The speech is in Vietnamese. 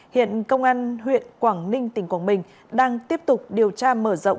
hiện công an huyện quảng ninh tỉnh quảng bình đang tiếp tục điều tra mở rộng